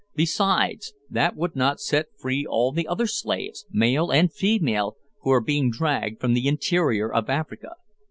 Besides, that would not set free all the other slaves, male and female, who are being dragged from the interior of Africa.